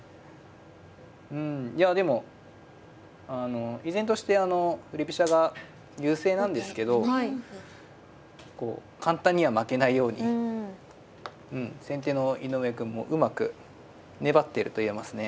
うんいやでも依然として振り飛車が優勢なんですけど簡単には負けないようにうん先手の井上くんもうまく粘ってると言えますね。